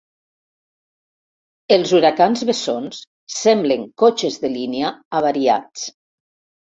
Els huracans bessons semblen cotxes de línia avariats.